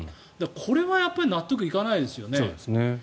これは納得いかないですよね。